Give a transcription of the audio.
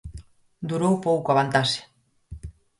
Durou pouco a vantaxe.